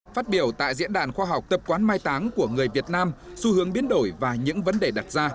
phát biểu tại diễn đàn khoa học tập quán mai táng của người việt nam xu hướng biến đổi và những vấn đề đặt ra